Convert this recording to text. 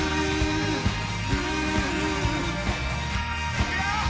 いくよ！